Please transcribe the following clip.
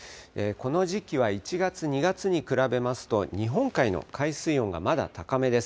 この時期は１月、２月に比べますと、日本海の海水温がまだ高めです。